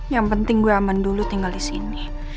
yang penting gue aman dulu tinggal disini